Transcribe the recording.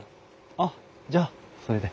あっじゃあそれで。